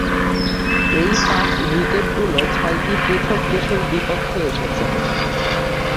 ঐ পাঁচ-উইকেটগুলো ছয়টি পৃথক দেশের বিপক্ষে এসেছে।